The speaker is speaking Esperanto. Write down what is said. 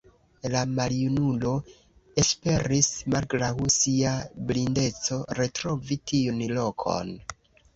La maljunulo esperis malgraŭ sia blindeco retrovi tiun lokon.